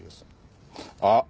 あっ！